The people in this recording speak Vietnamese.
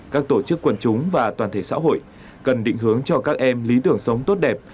các tổ chức quần chúng và toàn thể xã hội cần định hướng cho các em lý tưởng sống tốt đẹp